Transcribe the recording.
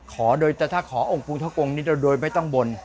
ขอโดยแต่ถ้าขอองค์พุทธกรงค์นี้เราโดยไม่ต้องบ่น